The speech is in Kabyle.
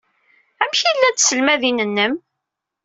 Amek ay llant tselmadin-nnem?